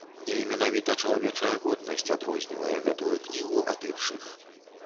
І менавіта чалавечая годнасць адрознівае гэтую кнігу ад іншых.